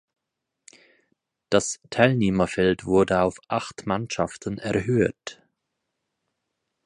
Das Teilnehmerfeld wurde auf acht Mannschaften erhöht.